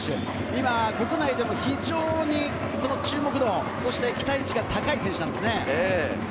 今、国内でも非常に注目度、そして期待値が高い選手なんですね。